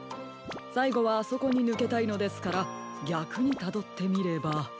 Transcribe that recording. さいごはあそこにぬけたいのですからぎゃくにたどってみれば。